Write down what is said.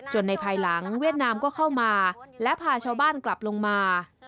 ในภายหลังเวียดนามก็เข้ามาและพาชาวบ้านกลับลงมา